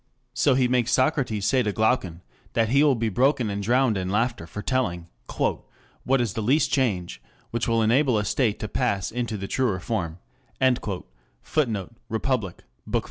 So he makes Socrates say to Glaucon that he will be broken and drowned in laughter for telling "what is the least change which will enable a state to pass into the truer form," [Footnote: Republic, Bk.